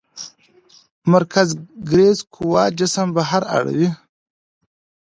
مرکزګریز قوه جسم بهر اړوي.